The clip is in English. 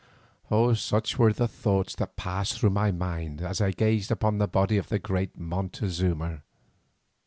Such were the thoughts that passed through my mind as I gazed upon the body of the great Montezuma.